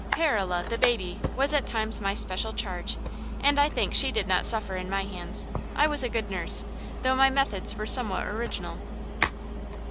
Perele, the baby, was at times my special charge, and I think she did not suffer in my hands. I was a good nurse, though my methods were somewhat original.